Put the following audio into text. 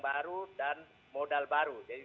baru dan modal baru jadi